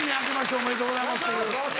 おめでとうございます。